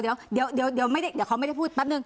เดี๋ยวเดี๋ยวเดี๋ยวเขาไม่ได้พูดปั๊บนึง